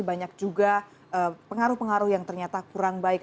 banyak juga pengaruh pengaruh yang ternyata kurang terhadap ridho